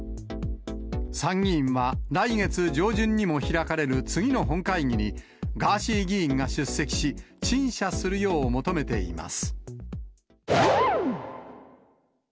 参議院は来月上旬にも開かれる次の本会議に、ガーシー議員が出席し、陳謝するよう求めています。